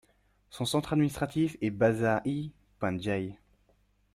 Son centre administratif est Bazar-e Panjwai.